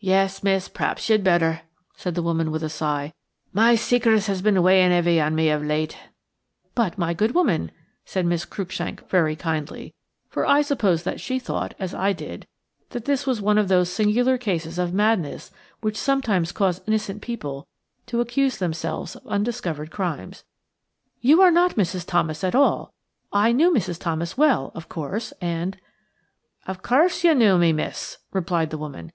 "Yes, miss; p'r'aps you'd better," said the woman with a sigh. "My secret has been weighin' heavy on me of late." "But, my good woman," said Miss Cruikshank, very kindly, for I suppose that she thought, as I did, that this was one of those singular cases of madness which sometimes cause innocent people to accuse themselves of undiscovered crimes. "You are not Mrs. Thomas at all. I knew Mrs. Thomas well, of course–and–" "Of course you knew me, miss," replied the woman.